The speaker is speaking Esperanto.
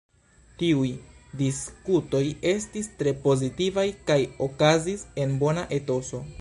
Tiuj diskutoj estis tre pozitivaj kaj okazis en bona etoso.